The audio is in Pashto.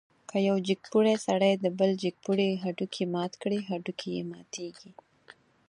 که یو جګپوړی سړی د بل جګپوړي هډوکی مات کړي، هډوکی یې ماتېږي.